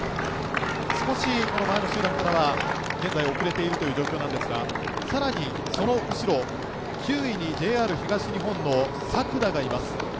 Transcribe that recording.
少し前の集団からは現在、遅れている状況ですが更にその後ろ、９位にＪＲ東日本の作田がいます。